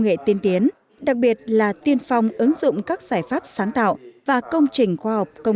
nghệ tiên tiến đặc biệt là tiên phong ứng dụng các giải pháp sáng tạo và công trình khoa học công